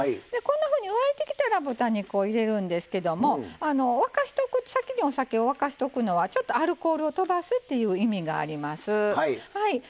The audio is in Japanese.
沸いてきたら豚肉を入れるんですけども先に、沸かしておくのはちょっとアルコールをとばすという意味があります。